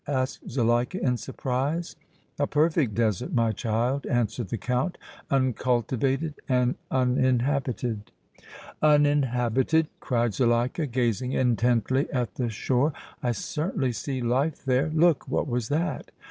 asked Zuleika, in surprise. "A perfect desert, my child," answered the Count, "uncultivated and uninhabited." "Uninhabited!" cried Zuleika, gazing intently at the shore. "I certainly see life there! Look! What was that?"